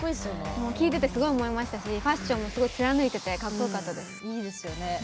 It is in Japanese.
聞いててすごい思いましたしファッションも貫いていてかっこよかったです。